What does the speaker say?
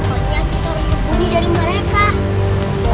pokoknya kita harus budi dari mereka